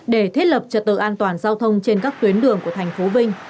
để thiết lập trật tự an toàn giao thông trên các tuyến đường của thành phố vinh